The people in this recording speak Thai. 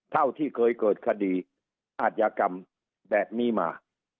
เท่าที่เคยเกิดคดีอาจยากรรมแบบนี้มา